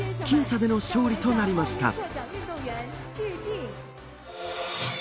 僅差での勝利となりました。